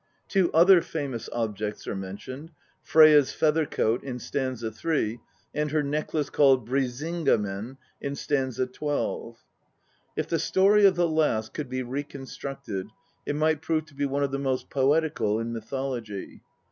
Two other famous objects are mentioned Freyja's feather coat in st. 3, and her necklace called Brisinga men in st. 12. If the story of the last could be reconstructed, it might prove to be one of the most poetical in mythology.